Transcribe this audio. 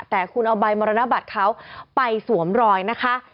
แต่คุณเอาใบมรณบัตรเขาไปสวมรอยนะคะ